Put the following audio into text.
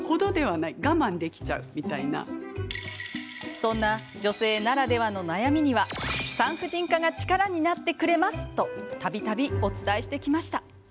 そんな女性ならではの悩みには産婦人科が力になってくれますとたびたびお伝えしてきました。